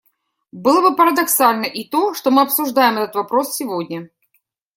Было бы парадоксально и то, что мы обсуждаем этот вопрос сегодня.